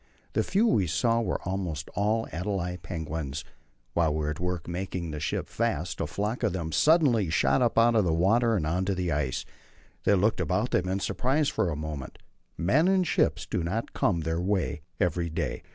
The few we saw were almost all Adélie penguins. While we were at work making the ship fast, a flock of them suddenly shot up out of the water and on to the ice. They looked about them in surprise for a moment: men and ships do not come their way every day.